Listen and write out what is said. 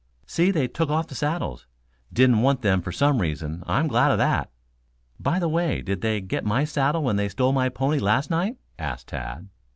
"See, they took off the saddles. Didn't want them for some reason. I'm glad of that. By the way, did they get my saddle when they stole my pony last night?" asked Tad.